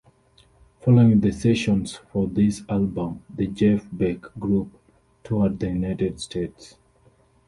Following the sessions for this album, the Jeff Beck Group toured the United States.